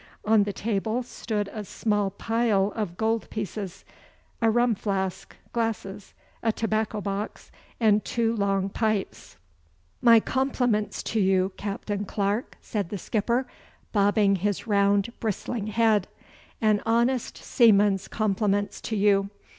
On the table stood a small pile of gold pieces, a rum flask, glasses, a tobacco box, and two long pipes. 'My compliments to you, Captain Clarke,' said the skipper, bobbing his round bristling head. 'An honest seaman's compliments to you.